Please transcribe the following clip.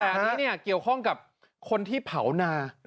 แต่อันนี้เนี่ยเกี่ยวข้องกับคนที่เผานา